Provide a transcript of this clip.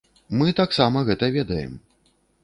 Мы таксама гэта ведаем.